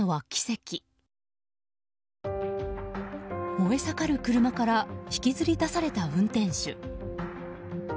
燃え盛る車から引きずり出された運転手。